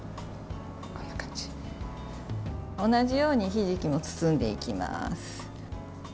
同じようにひじきも包んでいきます。